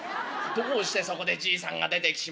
どうしてそこでじいさんが出てきちまうかね。